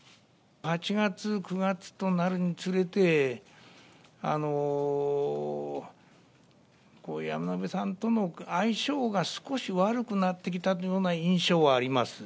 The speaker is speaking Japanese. ８月、９月となるにつれて、山野辺さんとの相性が少し悪くなってきたような印象はあります。